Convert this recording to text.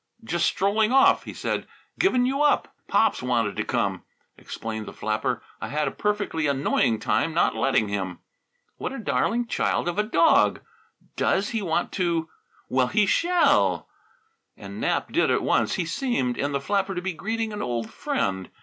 "Just strolling off," he said; "given you up." "Pops wanted to come," explained the flapper. "I had a perfectly annoying time not letting him. What a darling child of a dog! Does he want to well, he shall!" And Nap did at once. He seemed in the flapper to be greeting an old friend.